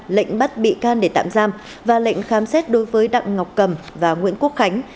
lệnh bắt bị can để tạm giam và lệnh khám xét đối với đặng ngọc cầm và nguyễn quốc khánh